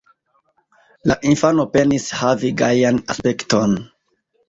La infano penis havi gajan aspekton.